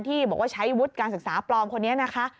ที่บอกว่าใช้วุฒิการศึกษาปลอมคนนี้นะคะ